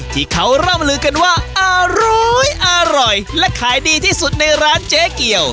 ที่เขาร่ำลือกันว่าอร้อยอร่อยและขายดีที่สุดในร้านเจ๊เกียว